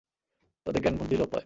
তাদের জ্ঞান-বুদ্ধি লোপ পায়।